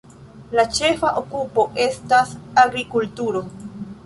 La ĉefa okupo estas agrikulturo.